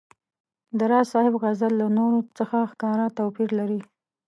د راز صاحب غزل له نورو څخه ښکاره توپیر لري.